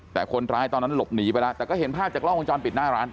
แต่คนร้ายตอนนั้นหลบหนีไปแล้วแต่ก็เห็นภาพจากกล้องวงจรปิดหน้าร้าน